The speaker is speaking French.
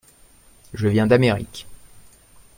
Je viens d’Amérique.